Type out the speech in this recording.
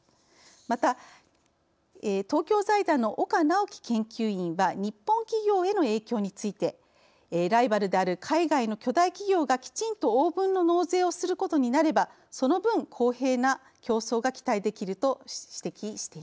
また東京財団の岡直樹研究員は日本企業への影響について「ライバルである海外の巨大企業がきちんと応分の納税をすることになればその分公平な競争が期待できる」と指摘しています。